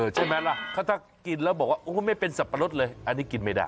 ใช่ไหมล่ะถ้ากินแล้วบอกว่าไม่เป็นสับปะรดเลยอันนี้กินไม่ได้